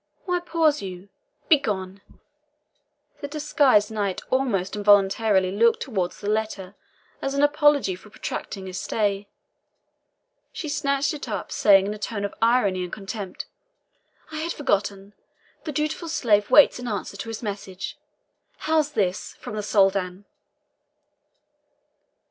Why pause you? begone!" The disguised knight almost involuntarily looked towards the letter as an apology for protracting his stay. She snatched it up, saying in a tone of irony and contempt, "I had forgotten the dutiful slave waits an answer to his message. How's this from the Soldan!"